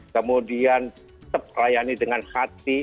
kemudian tetap layani dengan hati